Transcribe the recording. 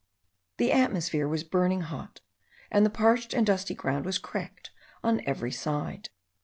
The atmosphere was burning hot, and the parched and dusty ground was cracked on every side.